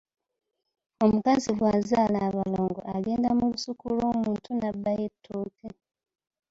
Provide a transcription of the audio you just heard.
Omukazi bwazaala abalongo agenda mu lusuku lw’omuntu n’abbayo ettooke.